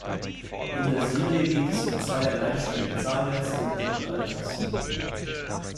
In der Serie geht es um zwei alleinstehende Zahnärzte mittleren Alters.